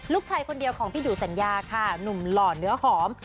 ลูกชายคนเดียวของพี่ดูสัญญาค่ะหนุ่มหล่อเนื้อหอม